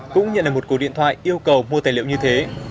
cũng nhận được một cuộc điện thoại yêu cầu mua tài liệu như thế